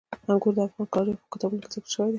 انګور د افغان تاریخ په کتابونو کې ذکر شوی دي.